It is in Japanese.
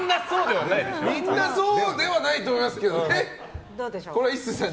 みんなそうではないと思いますけどこれは壱成さん